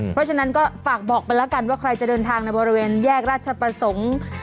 เพราะฉะนั้นก็ฝากบอกไปแล้วกันว่าใครจะเดินทางในบริเวณแยกราชประสงค์